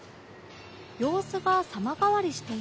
様子が様変わりしていた